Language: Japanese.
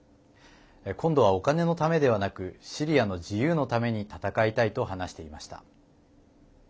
今度はお金のためではなくシリアの自由のために戦いたいと話していました。